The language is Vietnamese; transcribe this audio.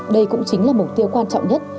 đây cũng chính là mục tiêu quan trọng nhất